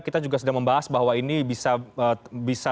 kita juga sedang membahas bahwa ini bisa